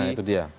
nah itu dia